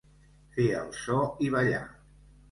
Fer el so i ballar.